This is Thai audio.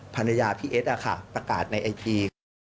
ภรรยาพี่เอสประกาศในไอจี